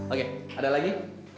oke ada lagi